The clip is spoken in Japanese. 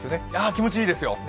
気持ちいいですよ。